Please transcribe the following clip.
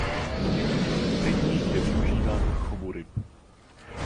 Rybník je využíván k chovu ryb.